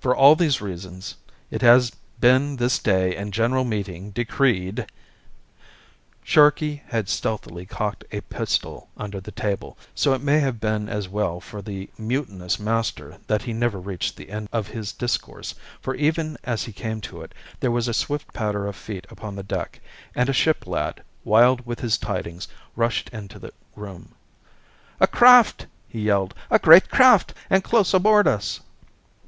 For all these reasons it has been this day in general meeting decreed " Sharkey had stealthily cocked a pistol under the table, so it may have been as well for the mutinous master that he never reached the end of his discourse, for even as he came to it there was a swift patter of feet upon the deck, and a ship lad, wild with his tidings, rushed into the room. "A craft!" he yelled. "A great craft, and close aboard us!"